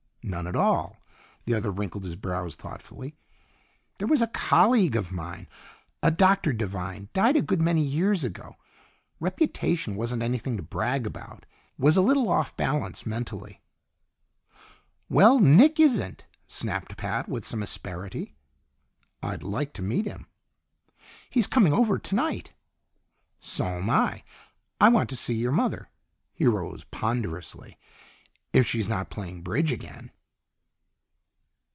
None at all." The other wrinkled his brows thoughtfully. "There was a colleague of mine, a Dr. Devine; died a good many years ago. Reputation wasn't anything to brag about; was a little off balance mentally." "Well, Nick isn't!" snapped Pat with some asperity. "I'd like to meet him." "He's coming over tonight." "So'm I. I want to see your mother." He rose ponderously. "If she's not playing bridge again!"